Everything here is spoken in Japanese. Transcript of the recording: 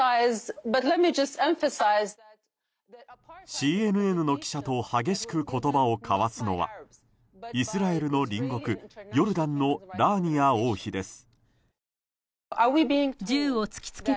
ＣＮＮの記者と激しく言葉を交わすのはイスラエルの隣国、ヨルダンのラーニア王妃です。